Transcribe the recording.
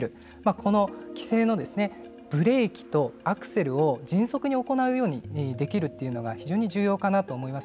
この規制のブレーキとアクセルを迅速に行うようにできるというのが非常に重要かなと思います。